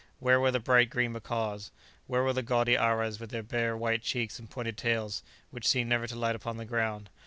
Where were the bright green macaws? where were the gaudy aras with their bare white cheeks and pointed tails, which seem never to light upon the ground?